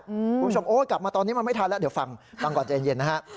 คุณผู้ชมโอ้ยกลับมาตอนนี้มันไม่ทันแล้วเดี๋ยวฟังฟังก่อนใจเย็นนะฮะ